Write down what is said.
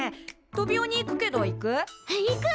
トビオに行くけど行く？